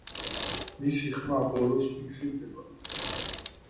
მისი ხმა ბოლოს ფიქსირდება.